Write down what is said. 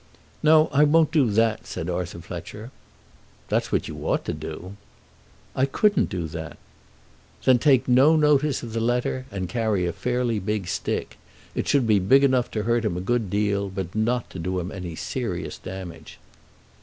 "No; I won't do that," said Arthur Fletcher. "That's what you ought to do." "I couldn't do that." "Then take no notice of the letter and carry a fairly big stick. It should be big enough to hurt him a good deal, but not to do him any serious damage."